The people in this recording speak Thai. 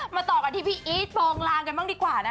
มาต่อกันที่พี่อิ๊วบองลางกันบ้างดีกว่า